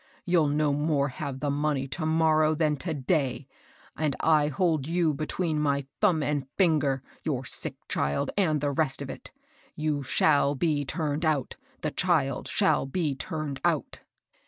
You'll no more have the money to morrow than to day, and I hold you between my thumb and finger, your sick child and the rest of it. You shall be turned out ;— the child shall be turned out."